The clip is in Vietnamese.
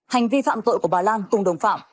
hành vi phạm tội của bà lan cùng đồng phạm